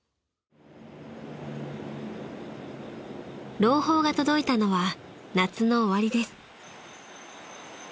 ［朗報が届いたのは夏の終わりです］